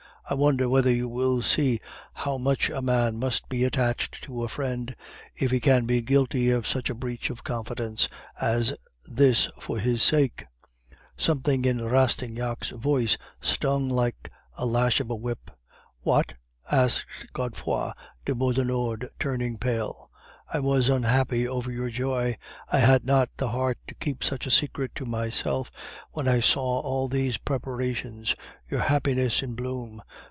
I wonder whether you will see how much a man must be attached to a friend if he can be guilty of such a breach of confidence as this for his sake.' "Something in Rastignac's voice stung like a lash of a whip. "'What?' asked Godefroid de Beaudenord, turning pale. "'I was unhappy over your joy; I had not the heart to keep such a secret to myself when I saw all these preparations, your happiness in bloom.